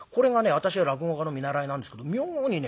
私は落語家の見習いなんですけど妙にね